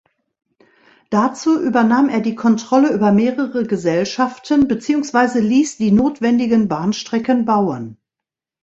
Dazu übernahm er die Kontrolle über mehrere Gesellschaften beziehungsweise ließ die notwendigen Bahnstrecken bauen.